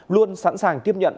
luôn sẵn sàng tiếp nhận